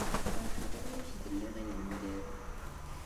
Feṛḥeɣ imi ay ak-d-lliɣ i lmendad.